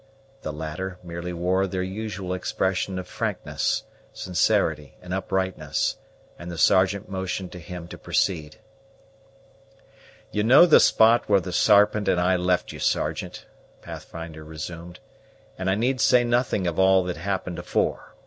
The latter merely wore their usual expression of frankness, sincerity, and uprightness; and the Sergeant motioned to him to proceed. "You know the spot where the Sarpent and I left you, Sergeant," Pathfinder resumed; "and I need say nothing of all that happened afore.